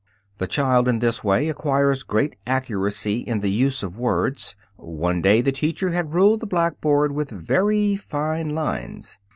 The child in this way acquires great accuracy in the use of words. One day the teacher had ruled the blackboard with very fine lines.